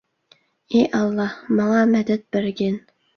ئى ئاللاھ، ماڭا مەدەت بەرگىن.